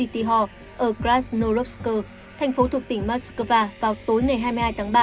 trong vụ khủng bố ở grobka thành phố thuộc tỉnh moskva vào tối ngày hai mươi hai tháng ba